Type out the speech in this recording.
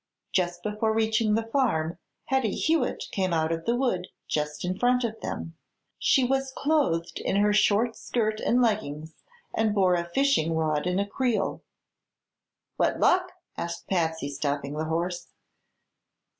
Just before reaching the farm Hetty Hewitt came out of the wood just in front of them. She was clothed in her short skirt and leggings and bore a fishing rod and a creel. "What luck?" asked Patsy, stopping the horse.